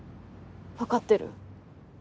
わかってる。